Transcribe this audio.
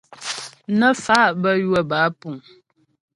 Nə́ fa' bə́ ywə̌ bə́ á púŋ.